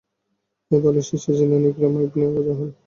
এই দলের শীর্ষে ছিলেন ইকরামা ইবনে আবু জাহল।